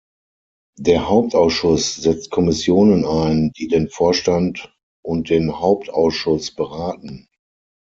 Der Hauptausschuss setzt Kommissionen ein, die den Vorstand und den Hauptausschuss beraten.